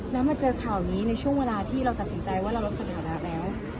แล้วมาเจอข่าวนี้ในช่วงเวลาที่เราตัดสินใจว่าเราลดสถานะแล้ว